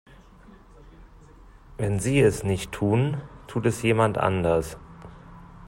Wenn Sie es nicht tun, tut es jemand anders.